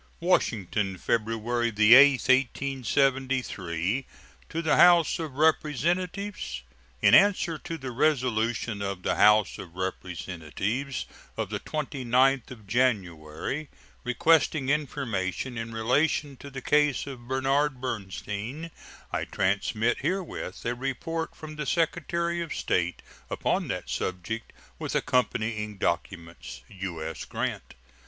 ] WASHINGTON, February 8, 1873. To the House of Representatives: In answer to the resolution of the House of Representatives of the 29th of January, requesting information in relation to the case of Bernhard Bernstein, I transmit herewith a report from the Secretary of State upon that subject, with accompanying documents. U.S. GRANT.